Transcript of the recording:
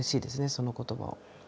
その言葉を。